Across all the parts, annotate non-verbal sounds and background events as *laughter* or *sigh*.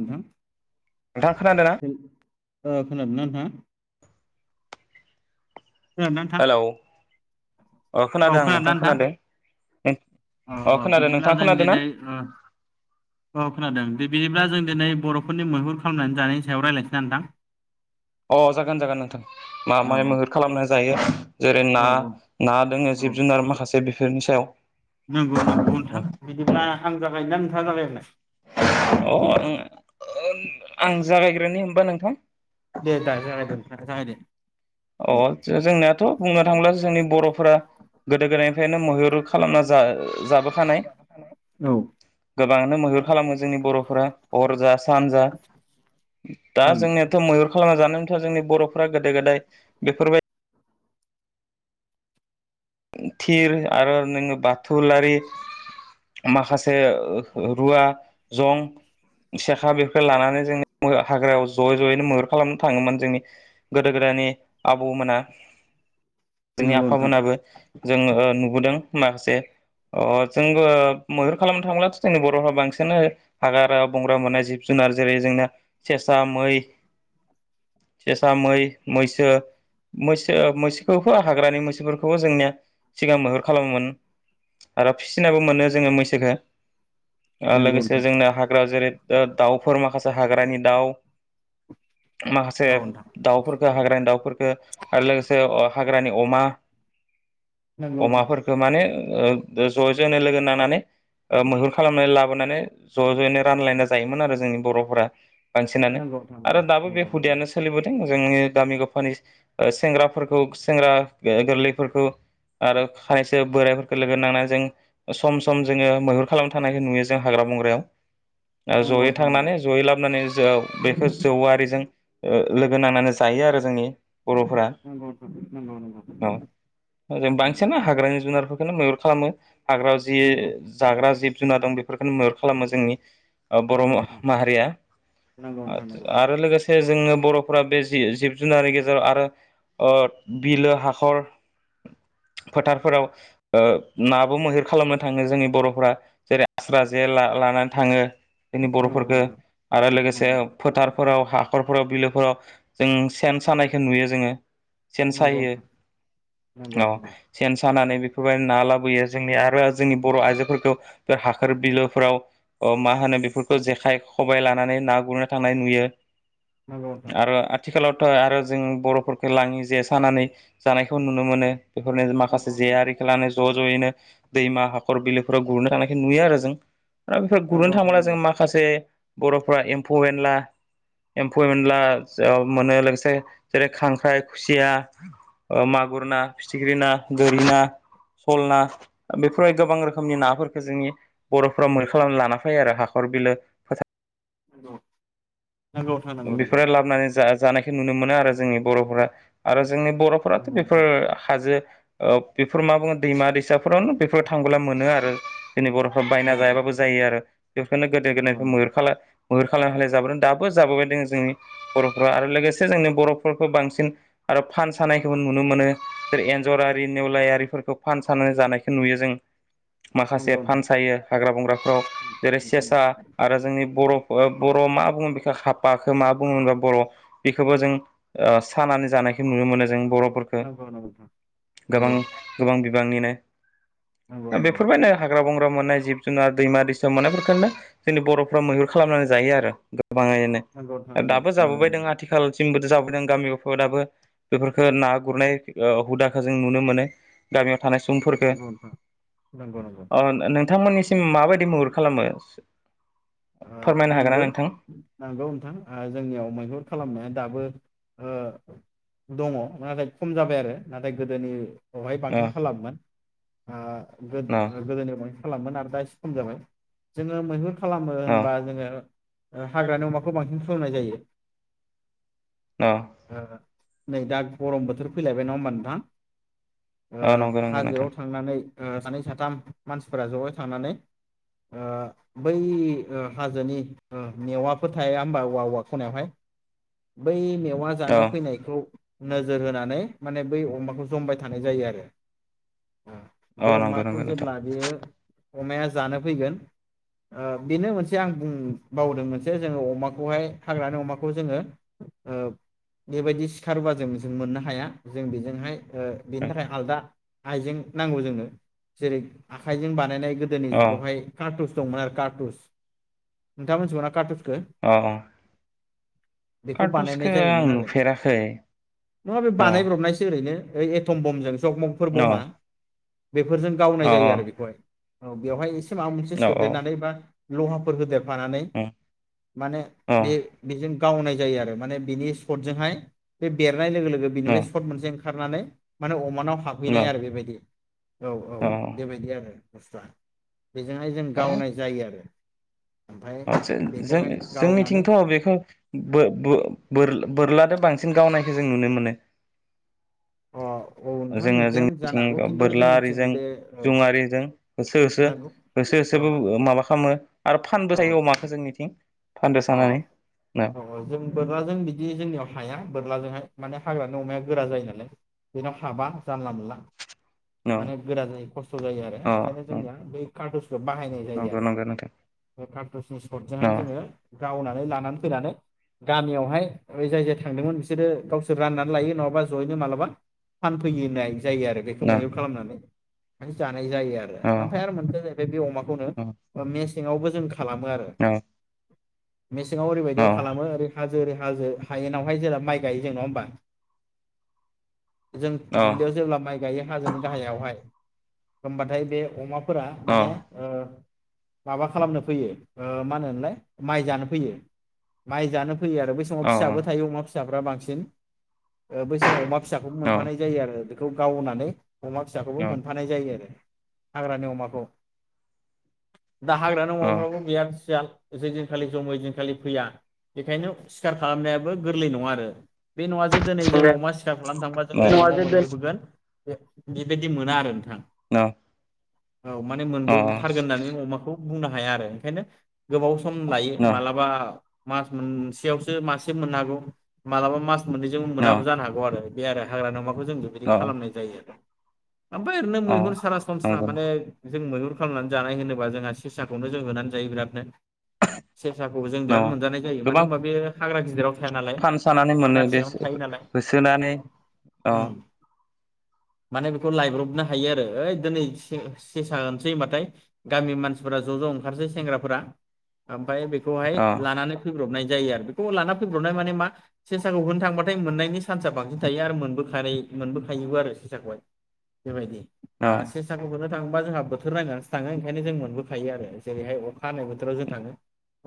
नोंथां नोंथांआ खोनादों ना ओ खोनादोंना नोंथाङा खोनादों ना नोंथां हेलौ अ औ खोनादों आं खोनादोंना नोंथां खोनादों? अ अ खोनादों बिदिब्ला नोंथां जों खोनादों ना दिनै ओ अ खोनादों दिबि ब्ला जों दिनै बर'फोरनि मैहुर खालामनानै जानायनि सायाव रायलायनसैना नोंथां। अ जागोन जागोन नोंथां मा औ मायै मैहुर खालामना जायो जेरै औ ना ना दोङो जिब जुनार माखासे दो धोनि सायाव नोंगौ नोंगौ नोंथां बिदिब्ला आं जागायनो ना नोंथाङा जागाय होनो अ ओ उम आं जागायग्रोनि होमबा नोंथां। दे दा जागायदो नोंथाङा जागायदो अ दे आतसा जोंनियाथ' बुंनो थाङोब्लाो जोंनि बर'फोरा गोदो गोदायनिफ्रायनो मैहुर खालामना जाबोखानाय औ गोबाङानो मैहुर खालामो। बर'फोरा हर जा सान जा दा उम जोंनियाथ' मैहुर खालाम जानानथ' जोंनि बर'फ्रा गोदो गोदाय बेफोरबाय थिर आरो नोङो बाथुलारि माखासे रुवा जं सेखा बेफोर लानानै जोंङो हाग्रायाव ज'यै ज'यैनो मैहुर खालामनो थाङोमोन जोंनि गोदो गोदायनि आबौमोना जोंनि नंगौ नोंथां आफामोनाबो जोङो ओ नुबोदों माखासे जोंबो मैहुर खालामनो थांब्लाथ' जोंनि बर'फ्रा बांसिनानो हाग्रा बंग्रा मोननाय जिब जुनार जेरै जोंनिया सेसा मै सेसामै मैसो मैसो मैसोखौबो हाग्रानि मैसोफोरखौबो जोंनिया सिगां मैहुर खालामोमोन आरो फिसिनाबो मोनो जोङो मैसोखो ओ नंगौ लोगोसे नोंथां जोंना हाग्रा जेरै दाउफोर माखासे हाग्रानि दाउ माखासे औ नोंथां दाउफोरफोरखौ हाग्रानि दाउफोरफोरखौ आरो लोगोसे हाग्रानि अमा नंगौ नोंथां अमाफोरखो माने ज' ज'नो लोगो नांनानै मैहुर खालामनानै लाबोनानै ज' ज'यैनो रानलायना जायोमोन आरो जोंनि बर'फोरा। बांसिनानो नंगौ आरो नोंथां दाबो बे हुदायानो सोलिबोदों जोंनि गामि गफानि सेंग्राफोरखौ सेंग्रा गोरलैफोरखौ आरो खायसो बोराइफोरखौ लोगो नांनानै जों सम सम जोङो मैहुर खालामना थानायखौ नुयो जों हाग्रा बंग्रायाव ओ नंगौ नंगौ जयै नंगौ थांनानै जयै लाबोनानै जो बेखौ जौविजों ओ लोगो नांनानै जायो आरो जोंनि बर'फोरा नंगौ नोंथां नंगौ। सोना‌ हाग्रानि जुनारफोरनो मोन खालामो। हाग्रा जि नंगौ नोंथां नंगौ जाग्रा जि। जिब जुनाद दं बेफोरखौनो मैहुर खालामो जोंनि बर' नोंथां नंगौ माहारिया नोंथां नंगौ आरो लोगोसे जोङो बर'फोरा बे जि जिब जुनारनि गेजेराव आरो ओ बिलो हाखर फोथारफोराव ओ नाबो मैहुर खालामनो थाङो जोंनि बर'फोरा जेरै आस्रा जे ला- लानानै थाङो। जोंनि नंगौ बर'फोरखो नोंथां आरो लोगोसे नंगौ फोथारफोराव हा नखरफोराव बिलोफोराव जों सेन सानायखौ नुयो जोङो। नंगौ नोंथां नंगौ। अ नंगौ सेन सानानै बेफोरबायदि ना लाबोयो जोंनि आरो जोंनि बर' आइजोफोरखौ बे हाखोर बिलोफोराव ओ मा होनो बेफोरखौ जेखाइ खबाइ लानानै ना गुरनो थांनाय नुयो। नंगौ आरो आथिखालाव आरो जों बर'फोरखौ लाङि जे सानानै जानायखौ नुनो मोनो। बेफोरनो माखासे जे नोंथां आरिखो लानाय स ज जयैनो दैमा हाखर बिलोफोराव गुरनो थानायखो नुयो आरो जों। दा बेफोर नंगौ गुरनो नोंथां थाङोब्ला नंगौ जों माखासे बर'फ्रा एम्फौ एनला एम्फौ एनला जाव मोनो लोगोसे जेरै खांख्राइ खुसिया मागुर ना फिथिख्रि ना गोरि ना सल ना बेफोरबायदि गोबां रोखोमनि नाफोरखौ जोंनि बर'फोरा मैहुर खालामनानै लाना फैायो आरो हाखर बिलो फोथार औ बेफोरो लाबोनानै जा-जानायखौ नुनो मोनो आरो। जोंनि बर'फोरा आरो जोंनि बर'फोराथ बेफोर हाजो ओ बेफोर मा बुङो दैमा दैसा बेफोरावनो बेफोर थांबोला मोनो आरो जोंनि बर'फ्रा नंगौ बायना नोंथां जायाबाबो जायो आरो बेफोरखौनो गोदो नंगौ गोदायनिफ्राय नंगौ मैहुर खाला मैहुर खालाम खालाम जाबोदों दा बो जाबोबाय दोङो जोंनि बर'फोरा आरो लोगोसे जोंनि बर'फोरखौ बांसिन आरो फानसानायखौबो नुनो मोनो जै एन्जरारि नेवलायारिफोरखौ फान सानाय जानायखौ नुयो जों। माखासे फानसायो हाग्रा बंग्राफ्राव जेरै सेसा आरो जोंनि बर' बर' मा बुङो बेख हाफाखो मा बुङोबा बर' बेखौबो जों सानानै जानायखौ नुनो मोनो जों बर' फोरखो नंगौ नोंथां नंगौ नोंथां गोबां गोबां बि गोबांनिनो नंगौ नंगौ बेफोरबायनो हाग्रा बं मोननाय जिब जुनार दैमा दैसा मोननायफोरखौनो जोंनि बर'फ्रा मैहुर खालामनानै जायो आरो। गोबाङैनो नंगौ नोंथां नंगौ नोंथां नंगौ दाबो नंगौ नोंथां नंगौ जाबोबायदों आथिखालसिमबो जा गामियाव दाबो बेफोरखौ ना गुरनाय ओ हुदाखौ जों नुनो मोनो गामियाव थानाय सुबुंफोरखौ नंगौ नोंथां नंगौ नंगौ अ नोंथांमोननिसिम माबायदि महर खालामो?? फोरमायनो हागोन ना नोंथां? नांगौ नोंथां ओ जोंनियाव मैहुर खालामनाया दाबो ओ दङ नाथाय खम जाबाय आरो नाथाय गोदोनि बहाय औ बांसिन खालामोन ओ औ गोदोनि बा खालामोमोन आरो दा एसे खम जाबाय जोङो मैहुर खालाम औ होनबा जोङो ओ हाग्रानि अमाखौ बांसिन खालामनाय जायो औ ओ नै दा गरम बोथोर फैलायबाय नङा होमबा नोंथां ओ औ नंगौ नंगौ हाजोआव नोंथां थांनानै ओ सानै साथाम मानसिफोरा जयै थांनानै ओ बै ओ हाजोनि ओ मेवाफोर थाया होमबा औवा औवा खनायावहाय बै मेव अमा औ जानो फैनायखौ नोजोर होनानै माने बै अमाखौ जमबाय थानाय जायो आरो औ बे नंगौ अमाखौ नंगौ नोंथां जेब्ला बेयो अमाया जानो फैगोन ओ बेनो मोनसे आं बुं बावदों मोनसे जोङो अमाखौहाय हाग्रानि अमाखौ जोङो ओ‌ बेबायदि सिखारोबा जों जों मोननो हाया जों बेजोंहाय ओ बेनि थाखाय आलदा आइजें नांगौ जोंनो जेरै आखाइजों बानायनाय गोदोनि औ जुगावहाय कारटुस दंमोन आरो कारटुस नोंथांङा मिथिगौना‌ कारटुस औ बेखौ बानायनाय कारटुसखौ आं जायोमोन आरो नुफेराखै नङा बे औ बानायब्रबनायसो ओरैनो ओइ एथम बमजों जग मगफोर औ औ बमा बेफोरजों गावनाय औ जायो आरो बेखौहाय औ बेवहाय ए से माबा मोनसे सोदेरनानै बा लहाफोर होदेर फानानै औ माने औ बे बेजों गावनाय जायो आरो माने बिनि सदजोंहाय बे बेद नाय लोगो लोगो बेनिफ्राय सद मोनसे ओंखारनानै माने अमानाव हाबहैनाय आरो बेबायदि औ औ बेबायदि आरो बस्था बेजोंहाय जों गावनाय जायो आरो ओमफ्राय बेखौहाय जों गावनानै जोंनिथिंथ' बेखौ बो बो बोर बोरलादो बां सिन गावनायखौ जों नुनो मोनो अ औ नोंथां जोङो नोंथाङा जानो हागौ जोंनिथिंनिखौ खिन्थु जोंनिथिं बोरलाआरिजों बे औ जुंआरिजों होसो होसो नंगौ होसो औ होसोबो माबा खालामो आरो फानबो औ थायो अमाखौ जोंनिथिं फानदो अ सानानै न औ जों बोरलाजों बिदि जोंनियाव हाया बोरलाजोंहाय माने हाग्रानि अमाया गोरा जायो नालाय बेनाव हाबा जानला मोनला न माने गोरा जायो खस्थ' जायो आरो अ बेखायनो जोंनिया बै कार्टुसखौ बाहायनाय जायो नंगौ आरो नंगौ नोंथां बे कार्टुसनि सर्टजोंहाय अ जोङो गावनानै लानानै फैनानै गामियावहाय जाय जाय थांदोंमोन बिसोरो गावसोर राननानै लायो नङाबा जयैनो मालाबा फानफैयो होननाय जायो आरो बेखौ न मैहुर खालामनानै जा नाय जायो आरो अ ओमफाय आरो मोनसेया जाहैबाय बे अमाखौनो अ मे सिङावबो जों खालामो आरो अ मेसेङाव ओरैबायदियाव अ खालामो ओरै हा जो हाजो हायेनावहाय जेला माइ गायो जों नङा होमबा जों अ दुब्लियाव जेब्ला माइ गायो हाजोनि गाहायावहाय होमबाथाय बे अमा फोरा माने ओ माबा खालामनो फैयो ओ मा होनोमोनलाय माइ जानो फैयो माइ जानो फैयो आरो बै समाव फिसाबो अ थायो अमा फिसाफ्रा बां सिन ओ बै समाव अमा फिसाखौबो अ मोनफानाय जायो आरो बेखौ गावनानै अमा फिसाखौबो न मोनफानाय जायो आरो हाग्रानि अमाखौ दा हाग्रानि अमाफ्राबो बिराद सियान *unintelligible* जेखालि जमो एदिनखालि फैया बेखायनो सिखार खालामनायाबो गोरलै नङा आरो। बे नङा जे दिनै जों अमा सिखार खालामनो थांबा जों दिनै अमा मोनबोगोन। बेबायदि मोना आरो नोंथां। औ औ माने मोनबोथारगोन होननानै अमाखौ बुंनो हाया आरो ओंखायनो गोबाव लायो मालाबा मास मोनसेयावसो मासे मोननो हागौ मालाबा मास मोननैजों न मोनाबो जानो हागौ आरो बे आरो हाग्रा अमा खौ जों बेबायदि अ खालामनाय जायो आरो। ओमफाय ओरैनो अ मैहुर सरासनस्रा नंगौ माने जों मैहुर खालामनानै जानाय होनोबा जोंहा सेसाखौनो जों होनानै जायो बिरादनो। सेेरसाखौ जों न बिराद मोनजानाय जायो मानो होनबा बे हाग्रा गिदिराव थाया नालाय फान सानानै हाग्रा मोनो देस फिसायावनो थायो नालाय होसोनानै अ उम माने बेखौ लायब्रबनो हायो आरो ओइ दिनै से सेसा होनोसै होनबाथाय गामिनि मानसिफोरा ज ज ओंखारसै सेंग्राफोरा। ओमफाय बे खौहाय अ लानानै फैब्रबनाय जायो आरो बेखौ लाना फैब्रनाय माने मा सेसाखौ होनो थांबाथाय मोननायनि सान्सा बांसिन थायो आरो मोनबोखाराय मोनबोखायोबो आरो सेसाखौहाय। बेबायदि आ सेसाखौ होनो थाङोबा जोंहा बोथोर नायनानैसो थाङो ओंखायनो जोङो मोनबोखायो आरो जेरैहाय अखा हानाय बोथोराव जों थाङो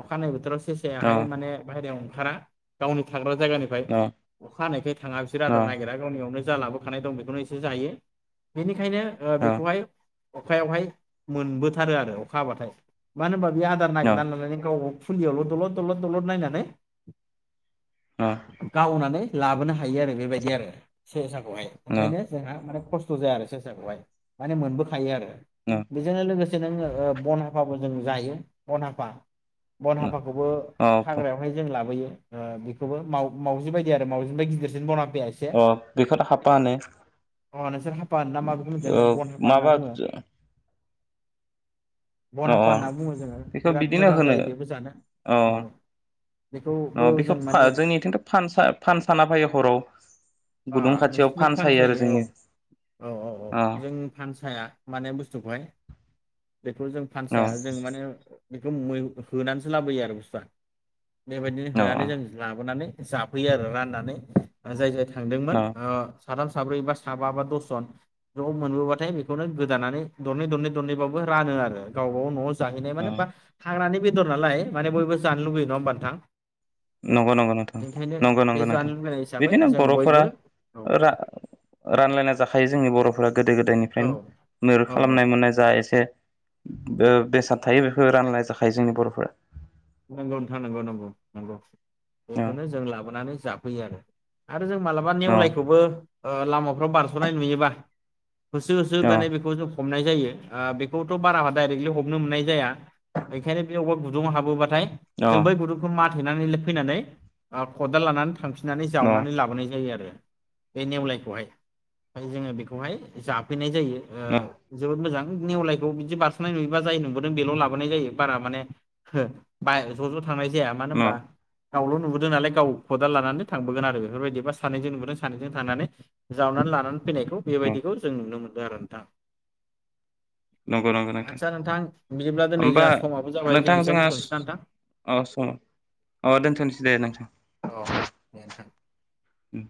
अखा हानाय बोथोरावस सेसायाहाय माने बायहेरायाव ओं खारा गावनि थाग्रा जायगानिफाय अखा हानायखाय थाङा बिसोर आदार नागिरा गावनियावनो जा लाबोखानाय दं बेखौनो एसे जायो। बिनि खायनो ओ बेखौहाय अखायावहाय मोनबोथारो आरो अखा हाबाथाय। मानो होनबा बे आर *unintelligible* खुलियावल दलद दलद दलद नायनानै गावनानै लाबोनो हायो आरो बेबायदि आरो सेसा खौहाय ओंखायनो जोंहा मान खस्थ' जाया आरो सेसाखौहाय माने मोनबोखायो आरो। बेजोंनो लोगोसे नोङो ओ बन हाफा- खौ जों जायो बनहा फा बन हाफाखौबो अ हाग्रायावहाय जों लाबोयो। ओ बेखौबो माव मावजि बायदि आरो मावजिनिफ्राय गिदिरसिन बना अ बेखौथ हाफा होने। अ नोंसोर हाफ फा होनो ना माबा बेखौ मोनथिया जों बन हापा होनना माबा बुङो। अ बन अ हाफा होनना बुङो जोङो। बेखौ बिराद बिदिनो मोजां होनो जायो बेबो जानो अ औ। बेखौबो अ बेखौ जों फा माने जोंनिथिंथ' फान सा फान साना फैयो हराव आ गुदुं खाथियाव नोंसिनि फान सायो आरो फानसायो औ जोंनि औ औ औ अ जों फानसाया माने बुस्थुखौहाय बेखौ जों अ फानसाया जों माने बेखौ होनानैसो लाबोयो आरो बुस्थुआ बेबायदिनो अ होनानै जों लाबोनानै जाफैयो आरो राननानै जाय जाय थांदोंमोन। साथाम साब्रै बा साबा बा दसजन ज' मोनबोबाथाय बेखौनो गोदानानै दरनै दरनै दरनैबाबबो रानो आरो गावबा गाव न'आव जाहैनाय अ माने हाग्रानि बेदर नालाय माने बयबो जानो लुगैयो नङा होमबा नोंथां। नंगौं नंगौ नोंथां ओंखायनो नंगौ बे नंगौ नोंथां जानो लुुबैनाय हिसाबै बिदिनो जों बर'फोरा बयबो औ रानलायना जाखायो जोंनि बर'फोरा गोदो औ गोदायनिफ्रायनो मैहुर औ औ खालामनाय मोननाय जा एसे बेसाद थायो बेखौ राननाय जाखायो जोंनि बर'फोरा नंगौ नोंथां नंगौ नंगौ नंगौ। औ बेखौनो जों लाबोनानै जाफैयो। होयो आरो। जों मालाबा औ नेवलायखौबो लामाफ्राव बारस'नाय नुयोबा। होसो होसो औ माने बेखौ जों हमनाय जायो। बेखौथ' बारा डायरेक्टलि हमनो मोननाय जाया बेखायनो बे अबेबा गुदुंङाव हाबोबा ओमफ्राय औ जों बै गुदुंखौ माथेनानै फैनानै खदाल लानानै थांफिननानै न जावनानै लाबोनाय जायो आरो। बे नेवलायखौहाय जोङो बेखौहाय जाफैनाय जायो ओ जोबोद मोजां नेवलायखौ बिदि बारस'नाय नुयोबा जाय नुबोदों बेल' लाबोनाय जायो बारा माने बा ज' ज' थांनाय जाया मानो न होमबा गावल' नुबोदों नालाय गाव खदाल लानानै थांबोगोन आरो बेफोरबायदिबा सानैजों नुबोदों सानैजों थांनानै जावनानै लानानै फैनायखौ न बेबायदिखौ जों नुनो मोनो बिदि आरो नोंथां नंगौ नंगौ आतसा नोंथां बिदिब्ला दिनै होमबा जोंहा समाबो जाबाय जों नोंथां एसेबयावनो जोंहा दोनथ'नोसै ना नोंथां अ सम औ अ दोनथ'नोसै दे नोंथां औ दे नोंथां उम